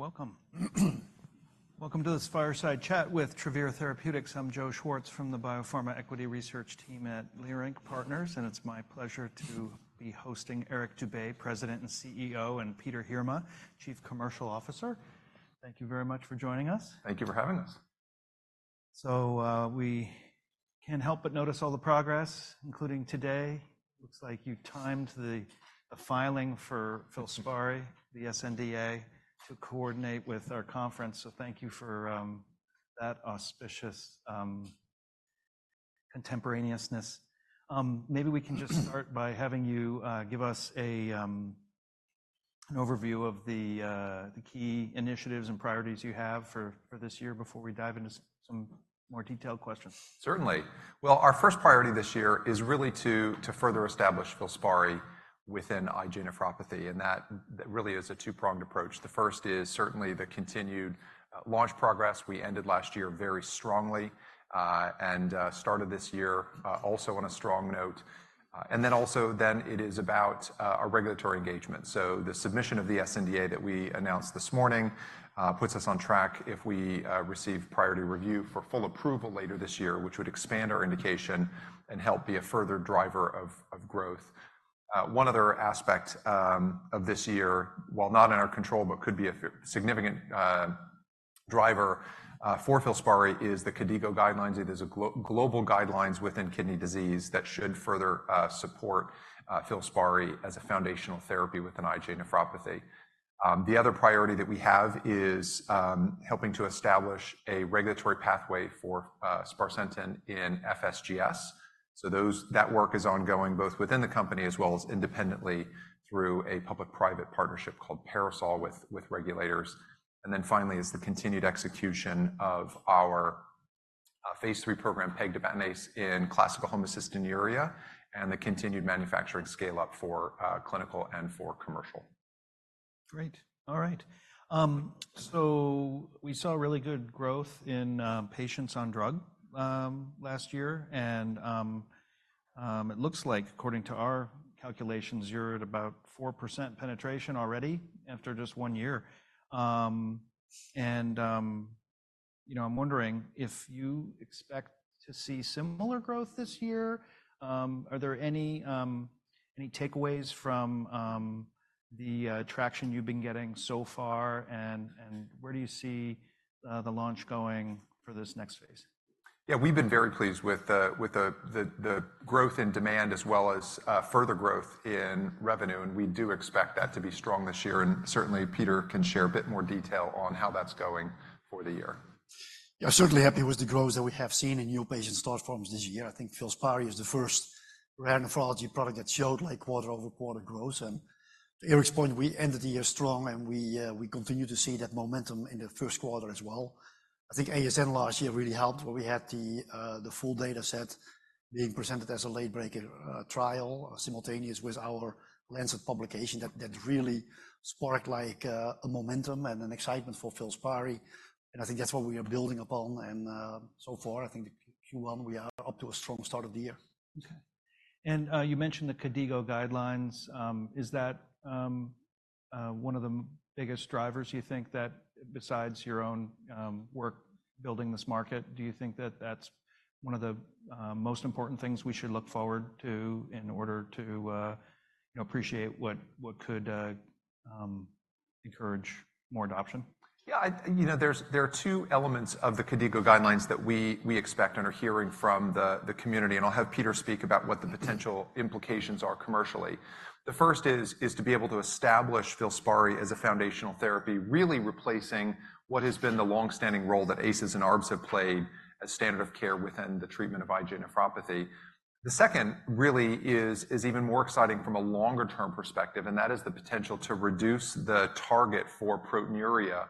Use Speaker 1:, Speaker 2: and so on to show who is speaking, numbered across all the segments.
Speaker 1: Okay, welcome. Welcome to this fireside chat with Travere Therapeutics. I'm Joe Schwartz from the Biopharma Equity Research Team at Leerink Partners, and it's my pleasure to be hosting Eric Dube, President and CEO, and Peter Heerma, Chief Commercial Officer. Thank you very much for joining us.
Speaker 2: Thank you for having us.
Speaker 1: We can't help but notice all the progress, including today. Looks like you timed the filing for FILSPARI, the sNDA, to coordinate with our conference. Thank you for that auspicious contemporaneousness. Maybe we can just start by having you give us an overview of the key initiatives and priorities you have for this year before we dive into some more detailed questions.
Speaker 2: Certainly. Well, our first priority this year is really to further establish FILSPARI within IgA nephropathy, and that really is a two-pronged approach. The first is certainly the continued launch progress. We ended last year very strongly and started this year also on a strong note. And then also then it is about our regulatory engagement. So the submission of the sNDA that we announced this morning puts us on track if we receive priority review for full approval later this year, which would expand our indication and help be a further driver of growth. One other aspect of this year, while not in our control but could be a significant driver for FILSPARI, is the KDIGO guidelines. It is a global guideline within kidney disease that should further support FILSPARI as a foundational therapy within IgA nephropathy. The other priority that we have is helping to establish a regulatory pathway for sparsentan in FSGS. So that work is ongoing both within the company as well as independently through a public-private partnership called PARASOL with regulators. And then finally is the continued execution of our phase III program, pegtibatinase, in classical homocystinuria and the continued manufacturing scale-up for clinical and for commercial.
Speaker 1: Great. All right. So we saw really good growth in patients on drug last year, and it looks like, according to our calculations, you're at about 4% penetration already after just one year. And I'm wondering if you expect to see similar growth this year. Are there any takeaways from the traction you've been getting so far, and where do you see the launch going for this next phase?
Speaker 2: Yeah, we've been very pleased with the growth in demand as well as further growth in revenue. We do expect that to be strong this year. Certainly, Peter can share a bit more detail on how that's going for the year.
Speaker 3: Yeah, I'm certainly happy with the growth that we have seen in new patient start forms this year. I think FILSPARI is the first rare nephrology product that showed quarter-over-quarter growth. And to Eric's point, we ended the year strong, and we continue to see that momentum in the first quarter as well. I think ASN last year really helped where we had the full data set being presented as a late-breaker trial simultaneous with our Lancet publication that really sparked a momentum and an excitement for FILSPARI. And I think that's what we are building upon. And so far, I think Q1, we are up to a strong start of the year.
Speaker 1: Okay. And you mentioned the KDIGO guidelines. Is that one of the biggest drivers, you think, that besides your own work building this market, do you think that that's one of the most important things we should look forward to in order to appreciate what could encourage more adoption?
Speaker 2: Yeah, there are two elements of the KDIGO guidelines that we expect and are hearing from the community. And I'll have Peter speak about what the potential implications are commercially. The first is to be able to establish FILSPARI as a foundational therapy, really replacing what has been the longstanding role that ACEs and ARBs have played as standard of care within the treatment of IgA nephropathy. The second really is even more exciting from a longer-term perspective, and that is the potential to reduce the target for proteinuria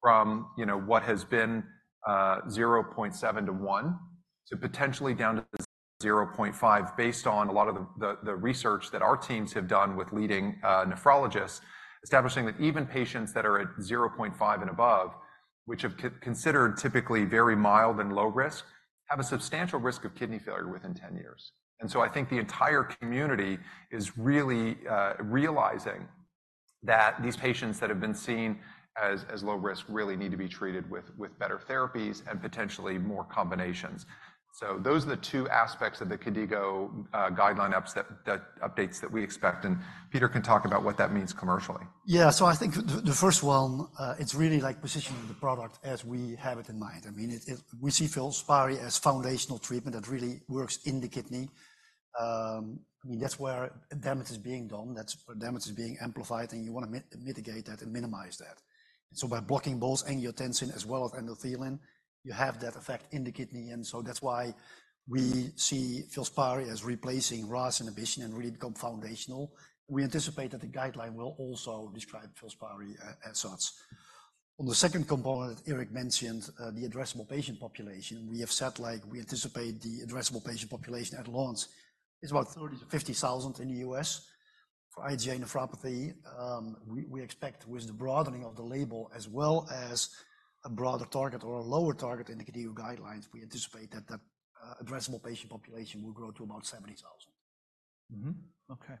Speaker 2: from what has been 0.7 to 1 to potentially down to 0.5 based on a lot of the research that our teams have done with leading nephrologists, establishing that even patients that are at 0.5 and above, which have considered typically very mild and low risk, have a substantial risk of kidney failure within 10 years. I think the entire community is really realizing that these patients that have been seen as low risk really need to be treated with better therapies and potentially more combinations. Those are the two aspects of the KDIGO guideline updates that we expect. Peter can talk about what that means commercially.
Speaker 3: Yeah, so I think the first one, it's really positioning the product as we have it in mind. I mean, we see FILSPARI as foundational treatment that really works in the kidney. I mean, that's where damage is being done. That's where damage is being amplified, and you want to mitigate that and minimize that. So by blocking both angiotensin as well as endothelin, you have that effect in the kidney. And so that's why we see FILSPARI as replacing RAAS inhibition and really become foundational. We anticipate that the guideline will also describe FILSPARI as such. On the second component that Eric mentioned, the addressable patient population, we have set we anticipate the addressable patient population at launch is about 30,000-50,000 in the U.S. for IgA nephropathy. We expect with the broadening of the label as well as a broader target or a lower target in the KDIGO guidelines, we anticipate that addressable patient population will grow to about 70,000.
Speaker 1: Okay.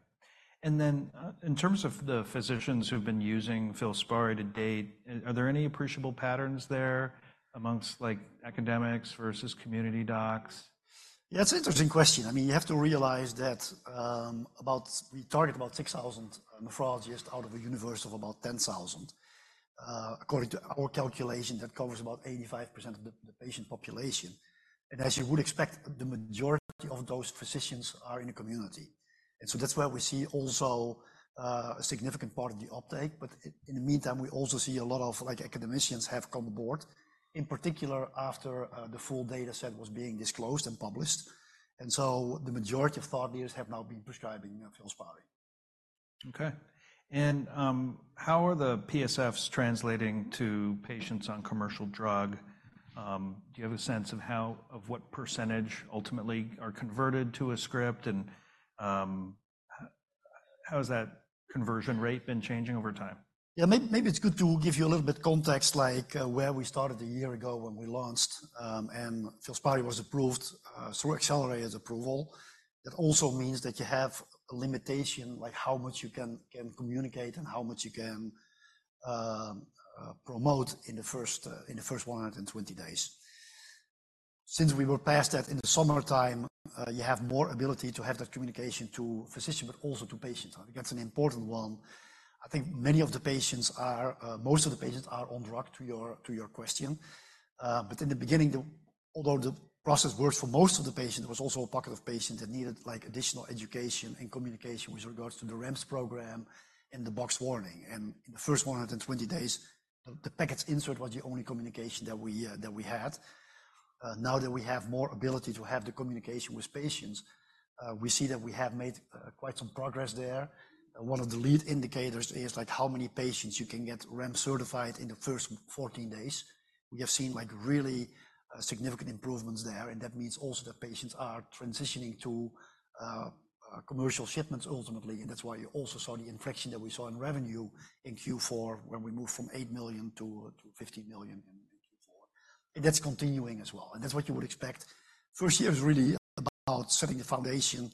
Speaker 1: And then in terms of the physicians who've been using FILSPARI to date, are there any appreciable patterns there amongst academics versus community docs?
Speaker 3: Yeah, it's an interesting question. I mean, you have to realize that we target about 6,000 nephrologists out of a universe of about 10,000. According to our calculation, that covers about 85% of the patient population. And as you would expect, the majority of those physicians are in the community. And so that's where we see also a significant part of the uptake. But in the meantime, we also see a lot of academicians have come aboard, in particular after the full data set was being disclosed and published. And so the majority of thought leaders have now been prescribing FILSPARI.
Speaker 1: Okay. And how are the PSFs translating to patients on commercial drug? Do you have a sense of what percentage ultimately are converted to a script? And how has that conversion rate been changing over time?
Speaker 3: Yeah, maybe it's good to give you a little bit of context, like where we started a year ago when we launched and FILSPARI was approved through accelerated approval. That also means that you have a limitation how much you can communicate and how much you can promote in the first 120 days. Since we were past that in the summertime, you have more ability to have that communication to physicians but also to patients. I think that's an important one. I think most of the patients are on drug, to your question. But in the beginning, although the process worked for most of the patients, there was also a pocket of patients that needed additional education and communication with regards to the REMS program and the box warning. In the first 120 days, the package insert was the only communication that we had. Now that we have more ability to have the communication with patients, we see that we have made quite some progress there. One of the lead indicators is how many patients you can get REMS certified in the first 14 days. We have seen really significant improvements there. And that means also that patients are transitioning to commercial shipments ultimately. And that's why you also saw the inflection that we saw in revenue in Q4 when we moved from $8 million-$15 million in Q4. And that's continuing as well. And that's what you would expect. First year is really about setting the foundation,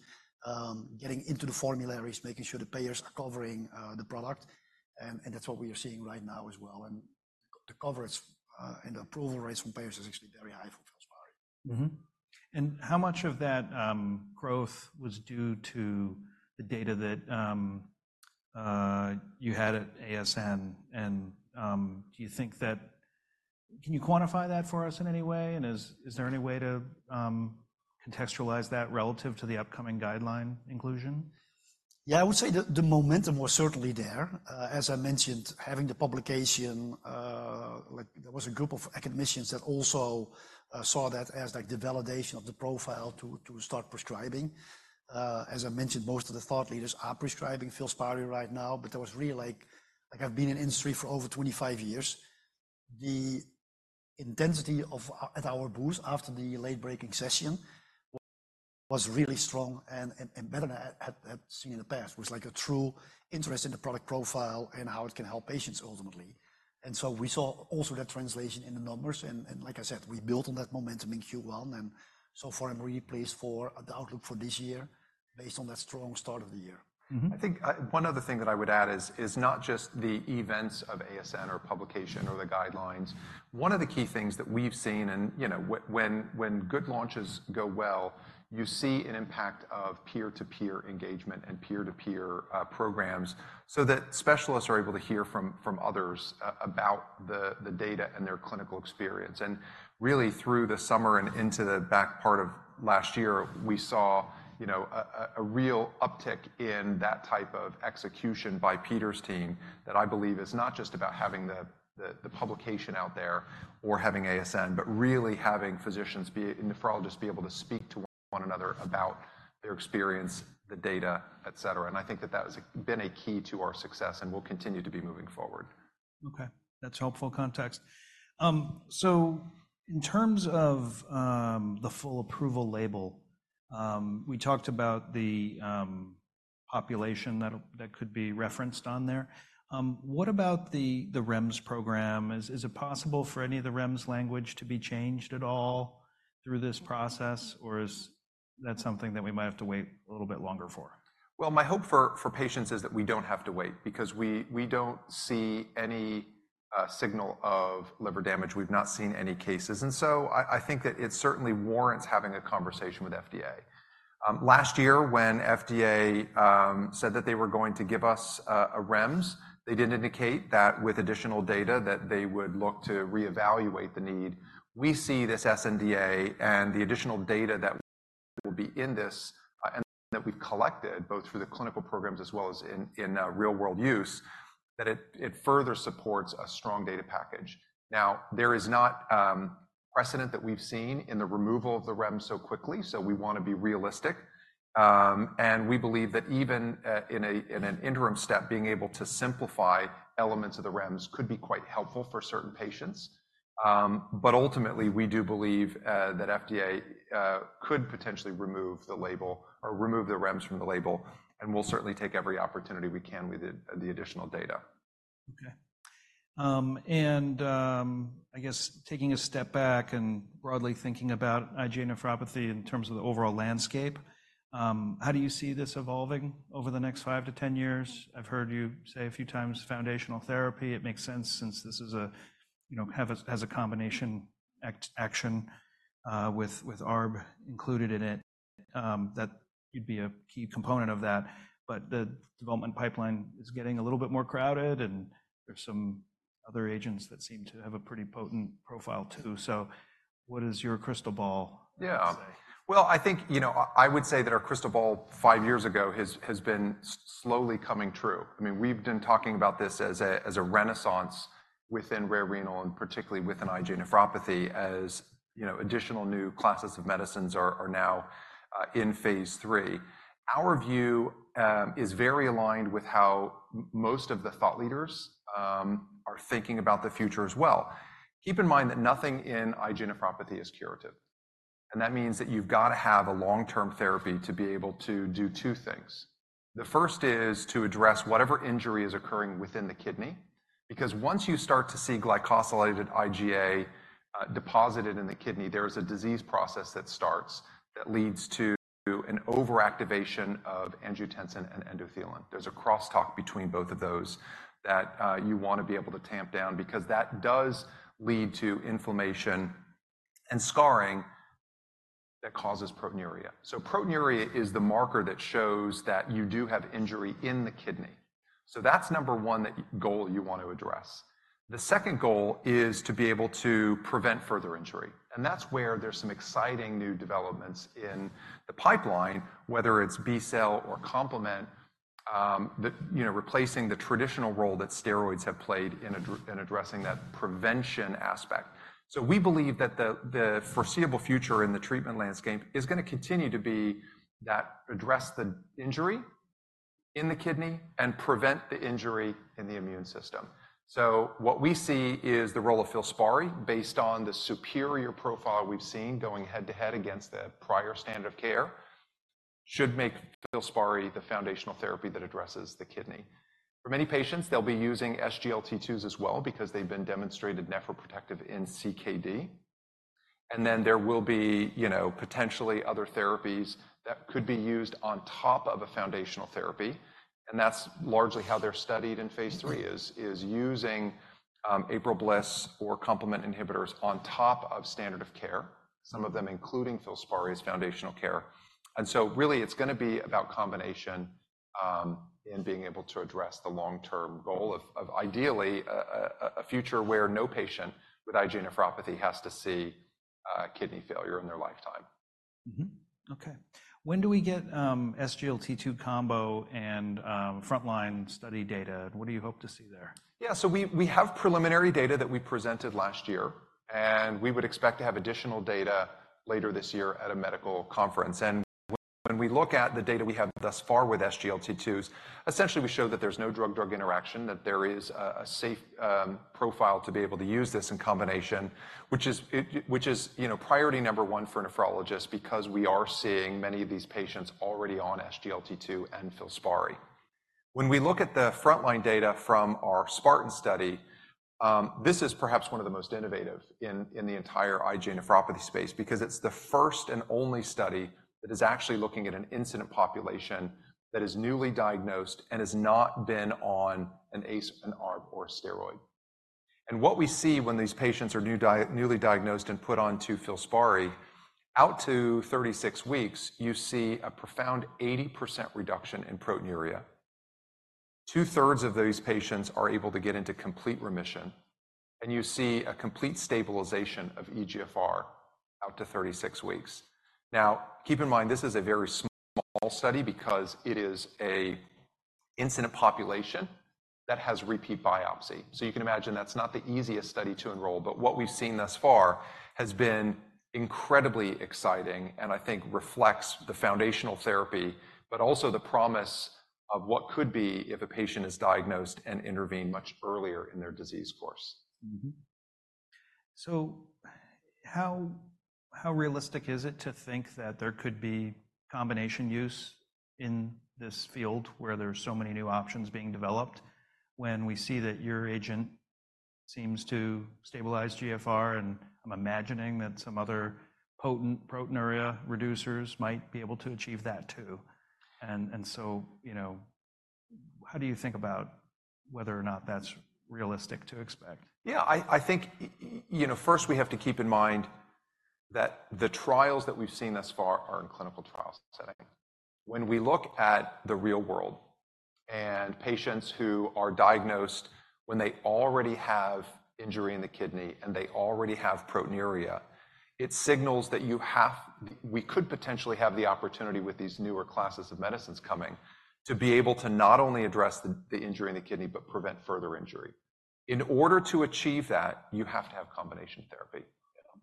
Speaker 3: getting into the formularies, making sure the payers are covering the product. And that's what we are seeing right now as well. The coverage and the approval rates from payers are actually very high for FILSPARI.
Speaker 1: How much of that growth was due to the data that you had at ASN? Do you think that can you quantify that for us in any way? Is there any way to contextualize that relative to the upcoming guideline inclusion?
Speaker 3: Yeah, I would say the momentum was certainly there. As I mentioned, having the publication, there was a group of academicians that also saw that as the validation of the profile to start prescribing. As I mentioned, most of the thought leaders are prescribing FILSPARI right now. But there was really, I've been in industry for over 25 years. The intensity at our booth after the late-breaking session was really strong and better than I had seen in the past. It was a true interest in the product profile and how it can help patients ultimately. And so we saw also that translation in the numbers. And like I said, we built on that momentum in Q1. And so far, I'm really pleased for the outlook for this year based on that strong start of the year.
Speaker 2: I think one other thing that I would add is not just the events of ASN or publication or the guidelines. One of the key things that we've seen, and when good launches go well, you see an impact of peer-to-peer engagement and peer-to-peer programs so that specialists are able to hear from others about the data and their clinical experience. And really, through the summer and into the back part of last year, we saw a real uptick in that type of execution by Peter's team that I believe is not just about having the publication out there or having ASN, but really having physicians, nephrologists, be able to speak to one another about their experience, the data, etc. And I think that that has been a key to our success and will continue to be moving forward.
Speaker 1: Okay. That's helpful context. So in terms of the full approval label, we talked about the population that could be referenced on there. What about the REMS program? Is it possible for any of the REMS language to be changed at all through this process, or is that something that we might have to wait a little bit longer for?
Speaker 2: Well, my hope for patients is that we don't have to wait because we don't see any signal of liver damage. We've not seen any cases. And so I think that it certainly warrants having a conversation with FDA. Last year, when FDA said that they were going to give us a REMS, they didn't indicate that with additional data that they would look to reevaluate the need. We see this sNDA and the additional data that will be in this and that we've collected both through the clinical programs as well as in real-world use, that it further supports a strong data package. Now, there is not precedent that we've seen in the removal of the REMS so quickly. So we want to be realistic. And we believe that even in an interim step, being able to simplify elements of the REMS could be quite helpful for certain patients. But ultimately, we do believe that FDA could potentially remove the label or remove the REMS from the label. And we'll certainly take every opportunity we can with the additional data.
Speaker 1: Okay. I guess taking a step back and broadly thinking about IgA nephropathy in terms of the overall landscape, how do you see this evolving over the next 5-10 years? I've heard you say a few times foundational therapy. It makes sense since this has a combination action with ARB included in it that you'd be a key component of that. But the development pipeline is getting a little bit more crowded, and there's some other agents that seem to have a pretty potent profile too. So what is your crystal ball?
Speaker 2: Yeah. Well, I think I would say that our crystal ball 5 years ago has been slowly coming true. I mean, we've been talking about this as a renaissance within rare renal and particularly within IgA nephropathy as additional new classes of medicines are now in phase III. Our view is very aligned with how most of the thought leaders are thinking about the future as well. Keep in mind that nothing in IgA nephropathy is curative. And that means that you've got to have a long-term therapy to be able to do 2 things. The first is to address whatever injury is occurring within the kidney. Because once you start to see glycosylated IgA deposited in the kidney, there is a disease process that starts that leads to an overactivation of angiotensin and endothelin. There's a crosstalk between both of those that you want to be able to tamp down because that does lead to inflammation and scarring that causes proteinuria. So proteinuria is the marker that shows that you do have injury in the kidney. So that's number one goal you want to address. The second goal is to be able to prevent further injury. And that's where there's some exciting new developments in the pipeline, whether it's B-cell or complement, replacing the traditional role that steroids have played in addressing that prevention aspect. So we believe that the foreseeable future in the treatment landscape is going to continue to be that address the injury in the kidney and prevent the injury in the immune system. So what we see is the role of FILSPARI based on the superior profile we've seen going head-to-head against the prior standard of care should make FILSPARI the foundational therapy that addresses the kidney. For many patients, they'll be using SGLT2s as well because they've been demonstrated nephroprotective in CKD. And then there will be potentially other therapies that could be used on top of a foundational therapy. And that's largely how they're studied in phase III is using ARBs or complement inhibitors on top of standard of care, some of them including FILSPARI as foundational care. And so really, it's going to be about combination in being able to address the long-term goal of ideally a future where no patient with IgA nephropathy has to see kidney failure in their lifetime.
Speaker 1: Okay. When do we get SGLT2 combo and frontline study data? And what do you hope to see there?
Speaker 2: Yeah. So we have preliminary data that we presented last year. And we would expect to have additional data later this year at a medical conference. And when we look at the data we have thus far with SGLT2s, essentially, we show that there's no drug-drug interaction, that there is a safe profile to be able to use this in combination, which is priority number one for nephrologists because we are seeing many of these patients already on SGLT2 and FILSPARI. When we look at the frontline data from our SPARTAN study, this is perhaps one of the most innovative in the entire IgA nephropathy space because it's the first and only study that is actually looking at an incident population that is newly diagnosed and has not been on an ACE, an ARB, or a steroid. And what we see when these patients are newly diagnosed and put onto FILSPARI, out to 36 weeks, you see a profound 80% reduction in proteinuria. Two-thirds of these patients are able to get into complete remission. And you see a complete stabilization of eGFR out to 36 weeks. Now, keep in mind, this is a very small study because it is an incident population that has repeat biopsy. So you can imagine that's not the easiest study to enroll. But what we've seen thus far has been incredibly exciting and I think reflects the foundational therapy but also the promise of what could be if a patient is diagnosed and intervened much earlier in their disease course.
Speaker 1: So how realistic is it to think that there could be combination use in this field where there's so many new options being developed when we see that your agent seems to stabilize GFR? And I'm imagining that some other potent proteinuria reducers might be able to achieve that too. And so how do you think about whether or not that's realistic to expect?
Speaker 2: Yeah. I think first, we have to keep in mind that the trials that we've seen thus far are in clinical trial setting. When we look at the real world and patients who are diagnosed when they already have injury in the kidney and they already have proteinuria, it signals that we could potentially have the opportunity with these newer classes of medicines coming to be able to not only address the injury in the kidney but prevent further injury. In order to achieve that, you have to have combination therapy.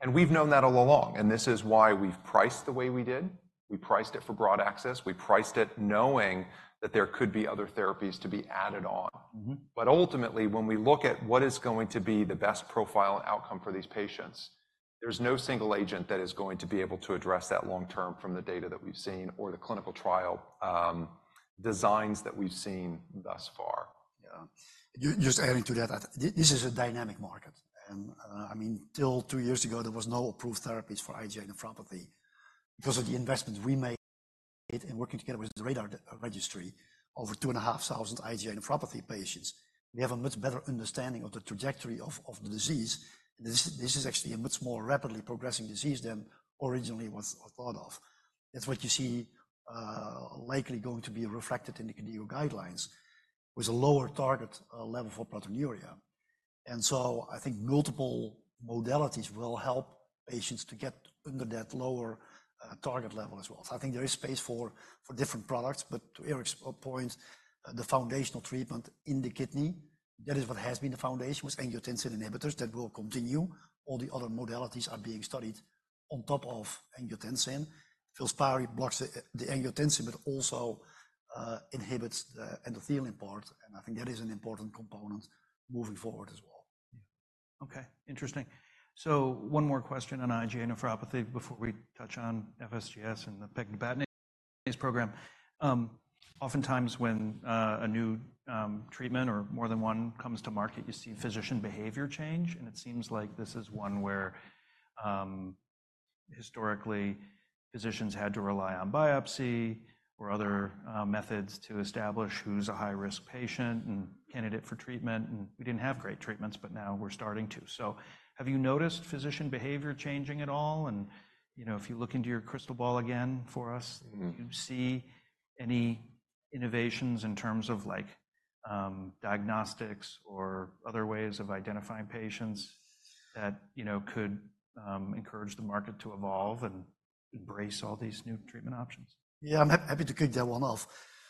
Speaker 2: And we've known that all along. And this is why we've priced the way we did. We priced it for broad access. We priced it knowing that there could be other therapies to be added on. Ultimately, when we look at what is going to be the best profile and outcome for these patients, there's no single agent that is going to be able to address that long-term from the data that we've seen or the clinical trial designs that we've seen thus far.
Speaker 3: Yeah. Just adding to that, this is a dynamic market. And I mean, till two years ago, there was no approved therapies for IgA nephropathy. Because of the investment we made in working together with the RaDaR registry over 2,500 IgA nephropathy patients, we have a much better understanding of the trajectory of the disease. And this is actually a much more rapidly progressing disease than originally was thought of. That's what you see likely going to be reflected in the KDIGO guidelines with a lower target level for proteinuria. And so I think multiple modalities will help patients to get under that lower target level as well. So I think there is space for different products. But to Eric's point, the foundational treatment in the kidney, that is what has been the foundation with angiotensin inhibitors that will continue. All the other modalities are being studied on top of angiotensin. FILSPARI blocks the angiotensin but also inhibits the endothelin part. I think that is an important component moving forward as well.
Speaker 1: Okay. Interesting. So one more question on IgA nephropathy before we touch on FSGS and the pegtibatinase program. Oftentimes, when a new treatment or more than one comes to market, you see physician behavior change. And it seems like this is one where historically, physicians had to rely on biopsy or other methods to establish who's a high-risk patient and candidate for treatment. And we didn't have great treatments, but now we're starting to. So have you noticed physician behavior changing at all? And if you look into your crystal ball again for us, do you see any innovations in terms of diagnostics or other ways of identifying patients that could encourage the market to evolve and embrace all these new treatment options?
Speaker 3: Yeah. I'm happy to kick that one off.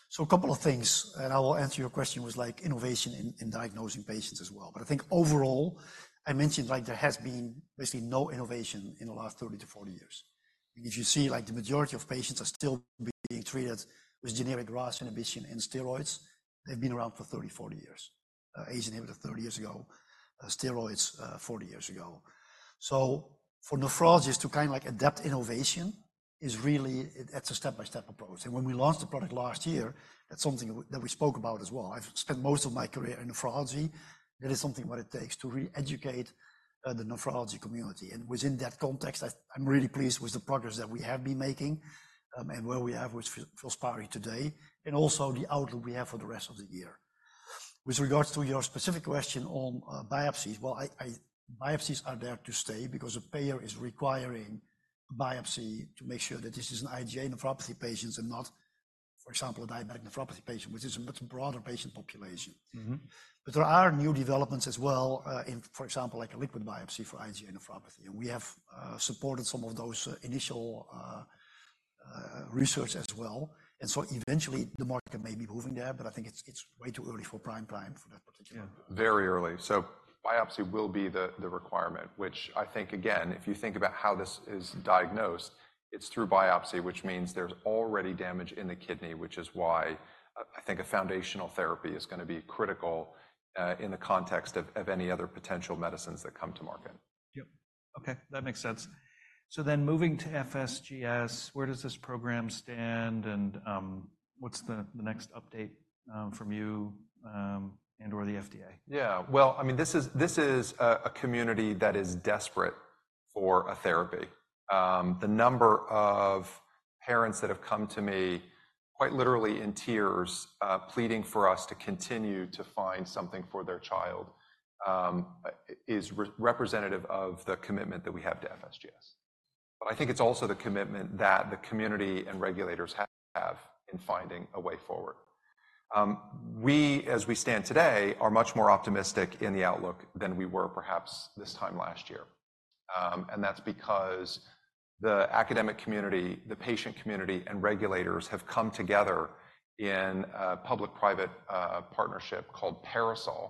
Speaker 3: So a couple of things. And I will answer your question with innovation in diagnosing patients as well. But I think overall, I mentioned there has been basically no innovation in the last 30-40 years. If you see the majority of patients are still being treated with generic RAAS inhibition and steroids, they've been around for 30, 40 years. ACE inhibitor 30 years ago, steroids 40 years ago. So for nephrologists to kind of adapt innovation is really it's a step-by-step approach. And when we launched the product last year, that's something that we spoke about as well. I've spent most of my career in nephrology. That is something what it takes to really educate the nephrology community. Within that context, I'm really pleased with the progress that we have been making and where we are with FILSPARI today and also the outlook we have for the rest of the year. With regards to your specific question on biopsies, well, biopsies are there to stay because a payer is requiring biopsy to make sure that this is an IgA nephropathy patient and not, for example, a diabetic nephropathy patient, which is a much broader patient population. But there are new developments as well in, for example, a liquid biopsy for IgA nephropathy. And we have supported some of those initial research as well. And so eventually, the market may be moving there. But I think it's way too early for prime time for that particular.
Speaker 2: Yeah. Very early. So biopsy will be the requirement, which I think, again, if you think about how this is diagnosed, it's through biopsy, which means there's already damage in the kidney, which is why I think a foundational therapy is going to be critical in the context of any other potential medicines that come to market.
Speaker 1: Yep. Okay. That makes sense. So then moving to FSGS, where does this program stand? And what's the next update from you and/or the FDA?
Speaker 2: Yeah. Well, I mean, this is a community that is desperate for a therapy. The number of parents that have come to me quite literally in tears pleading for us to continue to find something for their child is representative of the commitment that we have to FSGS. But I think it's also the commitment that the community and regulators have in finding a way forward. We, as we stand today, are much more optimistic in the outlook than we were perhaps this time last year. And that's because the academic community, the patient community, and regulators have come together in a public-private partnership called PARASOL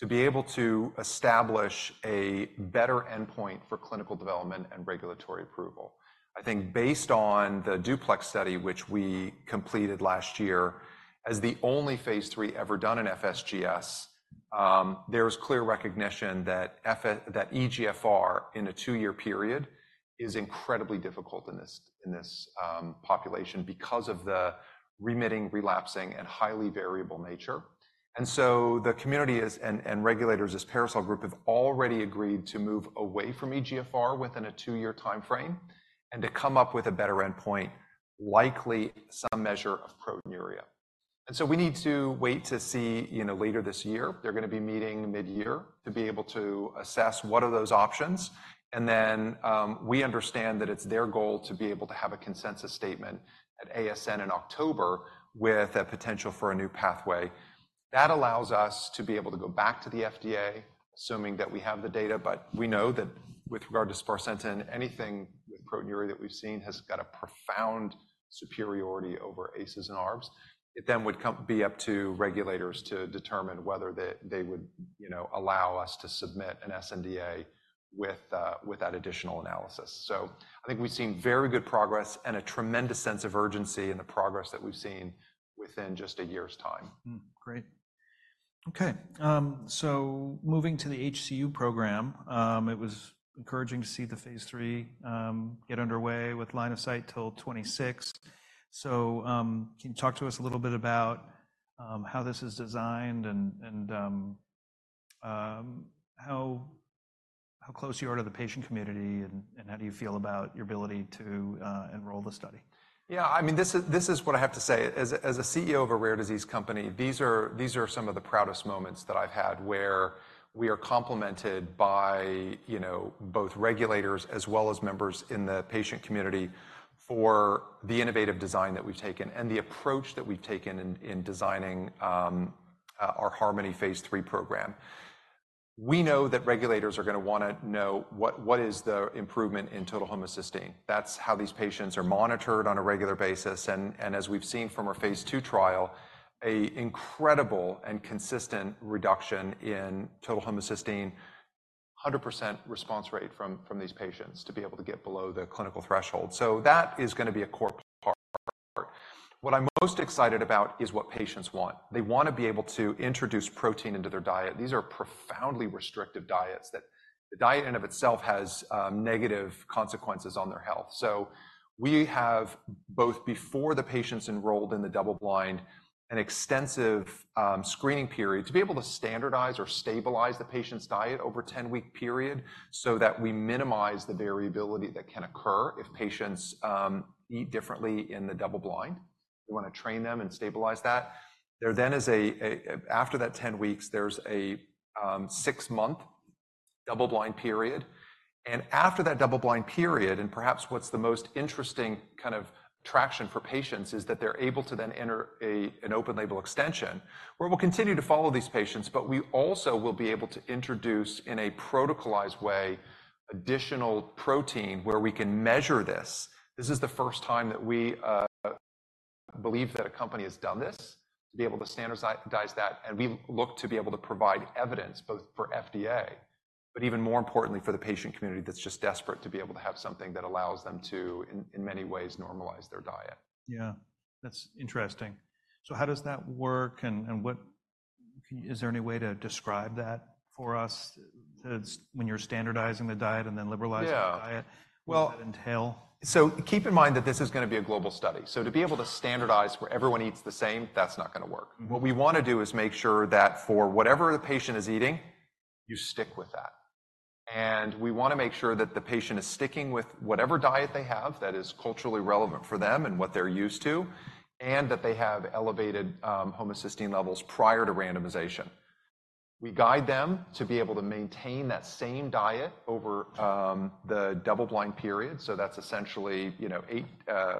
Speaker 2: to be able to establish a better endpoint for clinical development and regulatory approval. I think based on the DUPLEX Study, which we completed last year, as the only phase III ever done in FSGS, there's clear recognition that eGFR in a 2-year period is incredibly difficult in this population because of the remitting, relapsing, and highly variable nature. So the community and regulators as PARASOL group have already agreed to move away from eGFR within a 2-year timeframe and to come up with a better endpoint, likely some measure of proteinuria. So we need to wait to see later this year. They're going to be meeting mid-year to be able to assess what are those options. And then we understand that it's their goal to be able to have a consensus statement at ASN in October with a potential for a new pathway. That allows us to be able to go back to the FDA, assuming that we have the data. But we know that with regard to sparsentan, anything with proteinuria that we've seen has got a profound superiority over ACEs and ARBs. It then would be up to regulators to determine whether they would allow us to submit an sNDA with that additional analysis. So I think we've seen very good progress and a tremendous sense of urgency in the progress that we've seen within just a year's time.
Speaker 1: Great. Okay. So moving to the HCU program, it was encouraging to see the phase III get underway with line of sight till 2026. So can you talk to us a little bit about how this is designed and how close you are to the patient community? And how do you feel about your ability to enroll the study?
Speaker 2: Yeah. I mean, this is what I have to say. As a CEO of a rare disease company, these are some of the proudest moments that I've had where we are complemented by both regulators as well as members in the patient community for the innovative design that we've taken and the approach that we've taken in designing our HARMONY Phase III program. We know that regulators are going to want to know what is the improvement in total homocysteine. That's how these patients are monitored on a regular basis. And as we've seen from our phase II trial, an incredible and consistent reduction in total homocysteine, 100% response rate from these patients to be able to get below the clinical threshold. So that is going to be a core part. What I'm most excited about is what patients want. They want to be able to introduce protein into their diet. These are profoundly restrictive diets that the diet in and of itself has negative consequences on their health. So we have, both before the patients enrolled in the double-blind, an extensive screening period to be able to standardize or stabilize the patient's diet over a 10-week period so that we minimize the variability that can occur if patients eat differently in the double-blind. We want to train them and stabilize that. After that 10 weeks, there's a 6-month double-blind period. And after that double-blind period, and perhaps what's the most interesting kind of attraction for patients is that they're able to then enter an open-label extension where we'll continue to follow these patients, but we also will be able to introduce in a protocolized way additional protein where we can measure this. This is the first time that we believe that a company has done this to be able to standardize that. We look to be able to provide evidence both for FDA but even more importantly for the patient community that's just desperate to be able to have something that allows them to, in many ways, normalize their diet.
Speaker 1: Yeah. That's interesting. So how does that work? And is there any way to describe that for us when you're standardizing the diet and then liberalizing the diet? What does that entail?
Speaker 2: So keep in mind that this is going to be a global study. So to be able to standardize where everyone eats the same, that's not going to work. What we want to do is make sure that for whatever the patient is eating, you stick with that. And we want to make sure that the patient is sticking with whatever diet they have that is culturally relevant for them and what they're used to and that they have elevated homocysteine levels prior to randomization. We guide them to be able to maintain that same diet over the double-blind period. So that's essentially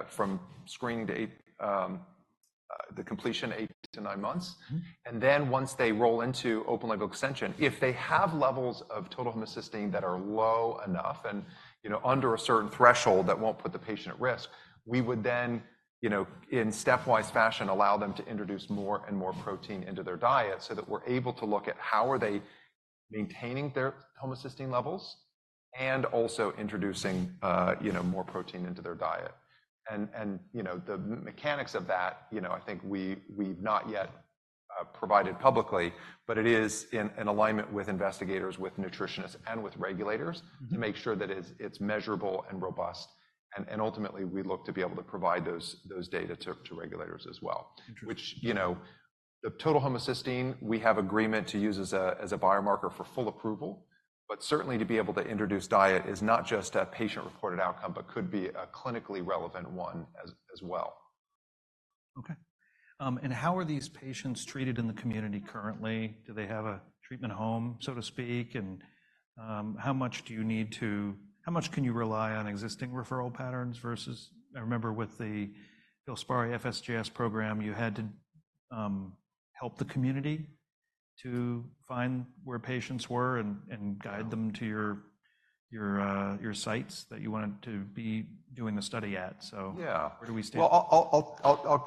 Speaker 2: from screening to completion, 8-9 months. And then once they roll into open-label extension, if they have levels of total homocysteine that are low enough and under a certain threshold that won't put the patient at risk, we would then, in stepwise fashion, allow them to introduce more and more protein into their diet so that we're able to look at how they are maintaining their homocysteine levels and also introducing more protein into their diet. And the mechanics of that, I think we've not yet provided publicly, but it is in alignment with investigators, with nutritionists, and with regulators to make sure that it's measurable and robust. And ultimately, we look to be able to provide those data to regulators as well. Which the total homocysteine, we have agreement to use as a biomarker for full approval. Certainly, to be able to introduce diet is not just a patient-reported outcome but could be a clinically relevant one as well.
Speaker 1: Okay. And how are these patients treated in the community currently? Do they have a treatment home, so to speak? And how much can you rely on existing referral patterns versus I remember with the FILSPARI FSGS program, you had to help the community to find where patients were and guide them to your sites that you wanted to be doing the study at. So where do we stand?
Speaker 2: Yeah. Well,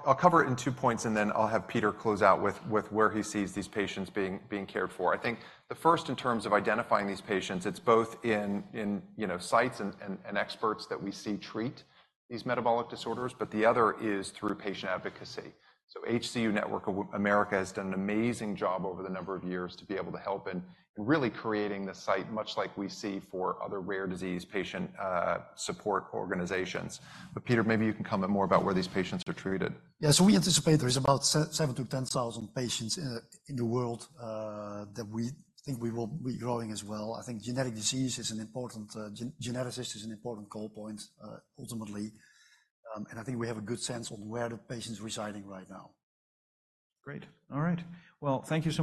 Speaker 2: I'll cover it in two points, and then I'll have Peter close out with where he sees these patients being cared for. I think the first, in terms of identifying these patients, it's both in sites and experts that we see treat these metabolic disorders. But the other is through patient advocacy. So HCU Network America has done an amazing job over the number of years to be able to help in really creating the site much like we see for other rare disease patient support organizations. But Peter, maybe you can comment more about where these patients are treated.
Speaker 3: Yeah. So we anticipate there is about 7,000-10,000 patients in the world that we think we will be growing as well. I think genetic disease is an important geneticist is an important call point ultimately. I think we have a good sense of where the patients are residing right now.
Speaker 1: Great. All right. Well, thank you so much.